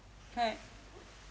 はい。